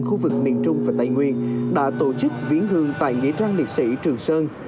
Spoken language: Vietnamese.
khu vực miền trung và tây nguyên đã tổ chức viến hương tại nghĩa trang liệt sĩ trường sơn